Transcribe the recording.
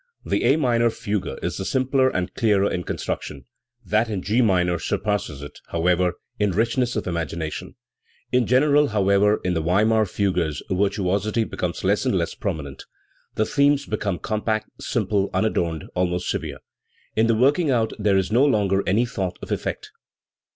The A minor fugue is the simpler and clearer in construction; that in G minor surpasses it, how ever, in richness of imagination, In general, however, in the Weimar fugues virtuosity becomes less and less prominent. The themes become compact, simple, unadorned, almost severe; in the working out there is no longer any thought of effect.